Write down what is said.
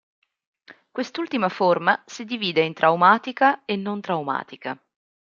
Quest'ultima forma si divide in traumatica e non traumatica.